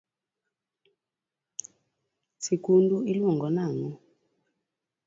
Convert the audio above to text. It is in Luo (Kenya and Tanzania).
Sikundu iluongo nang’o?